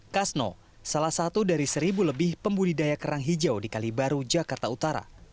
kasno salah satu dari seribu lebih pembudidaya kerang hijau di kalibaru jakarta utara